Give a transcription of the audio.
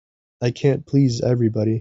I can't please everybody.